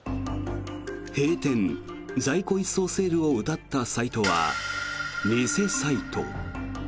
閉店・在庫一掃セールをうたったサイトは偽サイト。